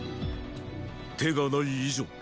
手がない以上